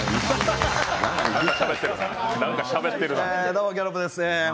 どうもギャロップです